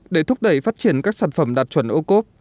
để thúc đẩy phát triển các sản phẩm đạt chuẩn ô cốp